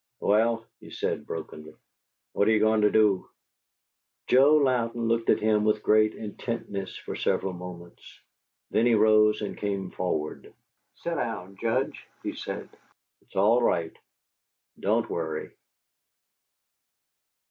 "Well," he said, brokenly, "what are you going to do?" Joe Louden looked at him with great intentness for several moments. Then he rose and came forward. "Sit down, Judge," he said. "It's all right. Don't worry."